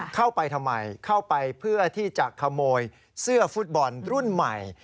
เข้าไปทำไมเข้าไปเพื่อที่จะขโมยเสื้อฟุตบอลรุ่นใหม่